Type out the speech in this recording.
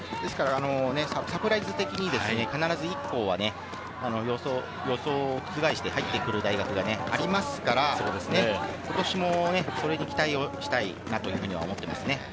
サプライズ的に必ず１校は予想を覆して入ってくる大学がありますから、ことしもそれに期待をしたいなというふうには思っていますね。